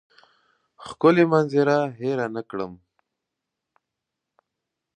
ښکلې منظره هېره نه کړم.